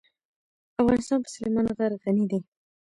افغانستان په سلیمان غر غني دی.